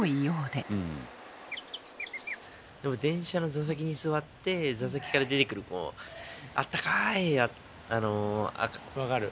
でも電車の座席に座って座席から出てくるもう分かる。